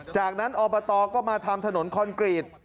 จากนั้นอบตก็มาทำถนนคอนกรีต